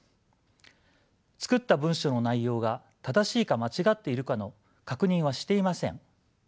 作った文章の内容が正しいか間違っているかの確認はしていません。